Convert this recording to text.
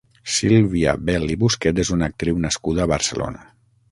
Sílvia Bel i Busquet és una actriu nascuda a Barcelona.